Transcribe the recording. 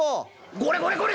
「これこれこれ！